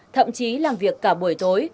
thậm chí làm việc cả buổi tối